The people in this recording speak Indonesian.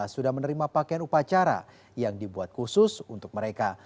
sudah menerima pakaian upacara yang dibuat khusus untuk mereka